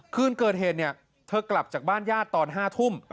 คืนเกิดเหตุเนี่ยเธอกลับจากบ้านญาติตอน๕ทุ่ม